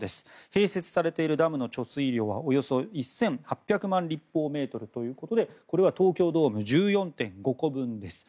併設されているダムの貯水量はおよそ１８００万立方メートルということで東京ドーム１４．５個分です。